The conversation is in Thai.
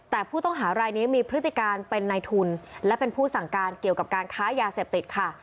แต่ผู้ต้องหารายนี้มีพฤติการเป็นในทุนและเป็นผู้สั่งการเกี่ยวกับการค้ายาเสพติดค่ะ